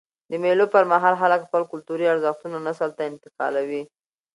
د مېلو پر مهال خلک خپل کلتوري ارزښتونه نسل ته انتقالوي.